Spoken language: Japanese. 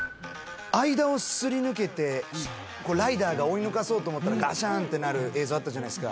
間をすり抜けてこうライダーが追い抜かそうと思ったらガシャーンってなる映像あったじゃないですか